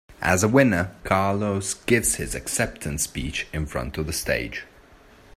As a winner, Carlos give his acceptance speech in front of the stage.